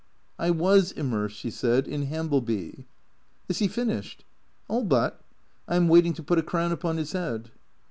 " I was immersed," she said, " in Hambleby." "Is he finished?" " All but. I 'm waiting to put a crown upon his head."